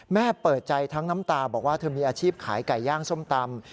เปิดใจทั้งน้ำตาบอกว่าเธอมีอาชีพขายไก่ย่างส้มตำ